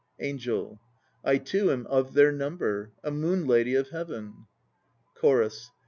ANGEL. I too am of their number, A moon lady of heaven. CHORUS.